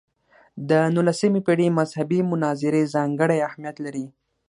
د نولسمې پېړۍ مذهبي مناظرې ځانګړی اهمیت لري.